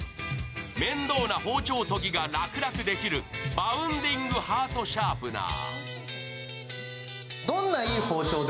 面倒な包丁研ぎが楽々できるバウンディングハートシャープナー。